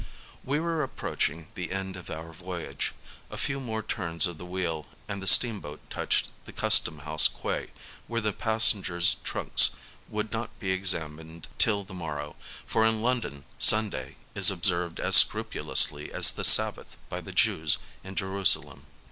We were approaching the end of our voyage : a few more turns of the wheel and the steamboat touched the Custom House quay, where the passengers' trunks would not be examined till the morrow, for in London Sunday is A DAY IN LONDON 45 observed as scrupulously as the Sabbath by the Jews in Jerusalem.